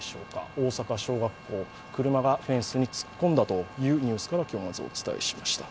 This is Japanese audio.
大阪小学校、車がフェンスに突っ込んだニュースから今日はまずお伝えしました。